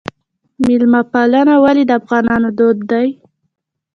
میلمه پالنه ولې د افغانانو دود دی؟